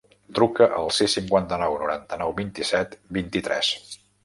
Truca al sis, cinquanta-nou, noranta-nou, vint-i-set, vint-i-tres.